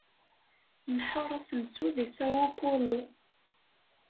Nḥeṛṛ asensu deg Sao Paulo.